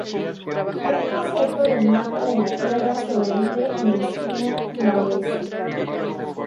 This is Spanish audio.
Un mosaico del mapa de la Tierra sobrevive en la esquina noroeste.